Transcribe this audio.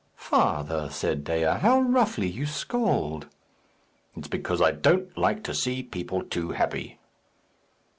"Father," said Dea, "how roughly you scold!" "It's because I don't like to see people too happy."